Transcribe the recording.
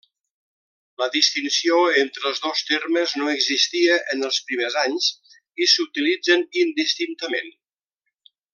La distinció entre els dos termes no existia en els primers anys i s'utilitzen indistintament.